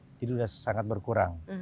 jadi sudah sangat berkurang